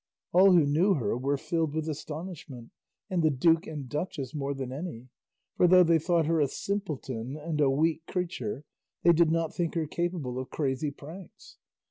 All who knew her were filled with astonishment, and the duke and duchess more than any; for though they thought her a simpleton and a weak creature, they did not think her capable of crazy pranks.